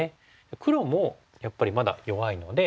黒もやっぱりまだ弱いので。